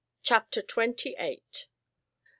Chapter Twenty eighth.